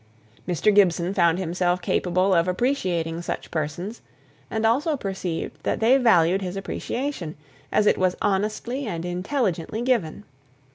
Mr. Gibson found himself capable of appreciating such persons, and also perceived that they valued his appreciation, as it was honestly and intelligently given.